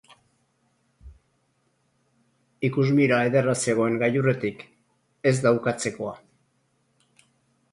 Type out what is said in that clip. Ikusmira ederra zegoen gailurretik, ez da ukatzekoa.